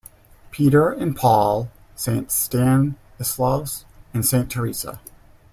Peter and Paul, Saint Stanislaus, and Saint Theresa.